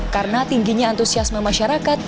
karena tingginya antusiasme masyarakat